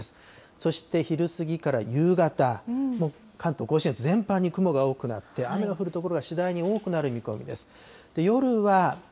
そして昼過ぎから夕方、関東甲信越全般に雨が多くなって、雨の降る所は次第に多くなる見込みです。